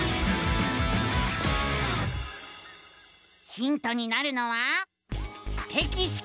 ヒントになるのは「テキシコー」。